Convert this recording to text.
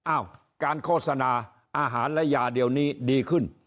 อ้าวการโฆษณาอาหารและยาเดียวนี้ดีขึ้น